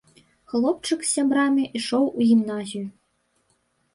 Хлопчык з сябрам ішоў у гімназію.